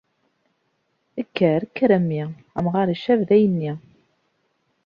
Kker kker a mmi, amɣar icab dayenni.